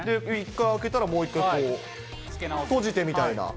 １回開けたらもう１回閉じてみたいな。